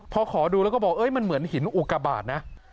พอขอดูแล้วก็บอกมันเหมือนหินอุกบาทนะ